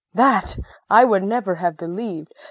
That I would never have believed.